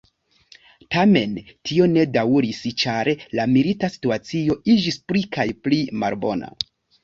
Tamen, tio ne daŭris ĉar la milita situacio iĝis pli kaj pli malbona.